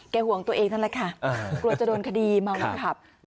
ห่วงตัวเองนั่นแหละค่ะกลัวจะโดนคดีเมาแล้วขับ